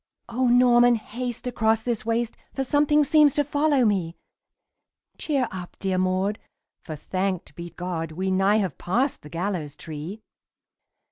"O Norman, haste across this waste For something seems to follow me!" "Cheer up, dear Maud, for, thanked be God, We nigh have passed the gallows tree!"